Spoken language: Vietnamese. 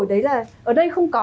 thế nào cũng không có